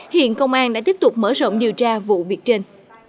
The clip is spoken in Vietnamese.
hiện công an đã tiếp tục mở rộng điều tra vụ việc trên